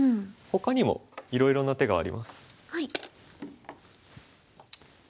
ほかにもいろいろな手があります。